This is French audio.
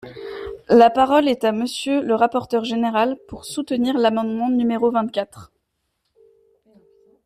La parole est à Monsieur le rapporteur général, pour soutenir l’amendement no vingt-quatre.